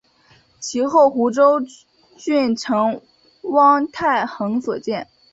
其后湖州郡丞汪泰亨所建。